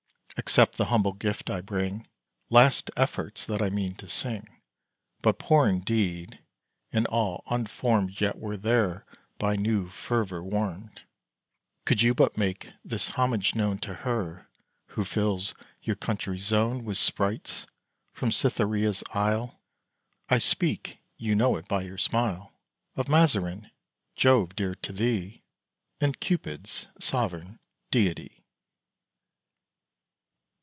Accept the humble gift I bring, Last efforts that I mean to sing: But poor indeed, and all unformed, Yet were they by new fervour warmed, Could you but make this homage known To her who fills your country's zone With sprites from Cytherea's isle; I speak (you know it by your smile) Of Mazarin, Jove dear to thee, And Cupid's sovereign deity.